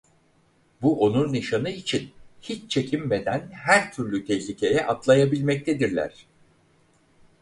Bu onur nişanı için hiç çekinmeden her türlü tehlikeye atlayabilmektedirler.